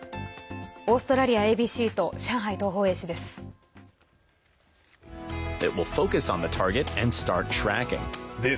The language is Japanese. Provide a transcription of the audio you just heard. オーストラリアＡＢＣと上海東方衛視です。